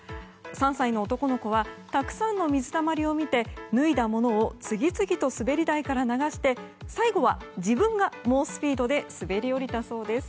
３歳の男の子はたくさんの水たまりを見て脱いだものを次々と滑り台から流して最後は自分が猛スピードで滑り降りたそうです。